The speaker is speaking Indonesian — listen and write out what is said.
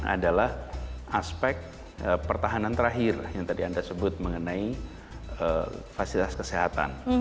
adalah aspek pertahanan terakhir yang tadi anda sebut mengenai fasilitas kesehatan